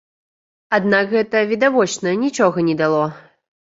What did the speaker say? Аднак гэта, відавочна, нічога не дало.